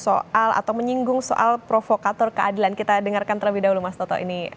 soal atau menyinggung soal provokator keadilan kita dengarkan terlebih dahulu mas toto ini